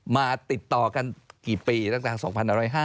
มาติดต่อกันกี่ปีตั้งแต่๒๕๕๙